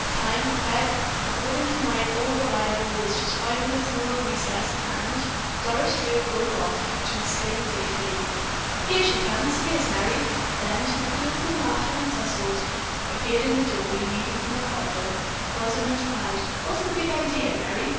"Time, Peg? According to my old reliable there's just five minutes more of recess and——" Doris Dreel broke off to exclaim gleefully: "Here she comes! Here's Merry!" Then to the girl who, laughing and towsled, appeared in the doorway leading from the corridor, Rosamond cried: "What's the big idea, Merry?